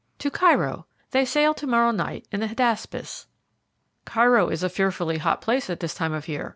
"To Cairo. They sail to morrow night in the Hydaspes." "Cairo is a fearfully hot place at this time of year.